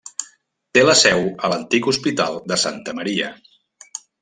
Té la seu a l'antic Hospital de Santa Maria.